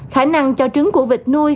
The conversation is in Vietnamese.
khả năng cho trứng của vịt nuôi